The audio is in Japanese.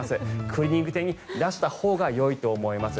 クリーニング店に出したほうがよいと思います。